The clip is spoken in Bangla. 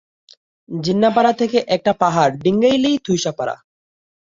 জিন্নাপাড়া থেকে একটা পাহাড় ডিঙ্গালেই থুইসাপাড়া।